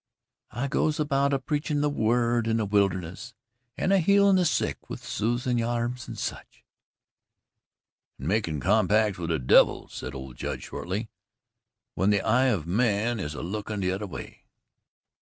I goes about a preachin' the word in the wilderness an' a healin' the sick with soothin' yarbs and sech." "An' a makin' compacts with the devil," said old Judd shortly, "when the eye of man is a lookin' t'other way."